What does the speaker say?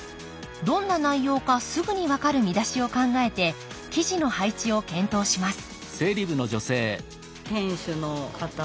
どんな内容かすぐに分かる見出しを考えて記事の配置を検討します